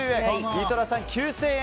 井戸田さん、９０００円。